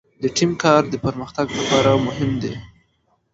د ټیم کار د پرمختګ لپاره مهم دی.